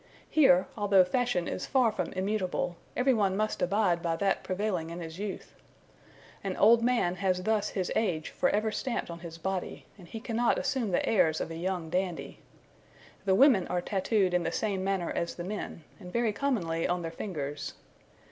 Here, although fashion is far from immutable, every one must abide by that prevailing in his youth. An old man has thus his age for ever stamped on his body, and he cannot assume the airs of a young dandy. The women are tattooed in the same manner as the men, and very commonly on their fingers.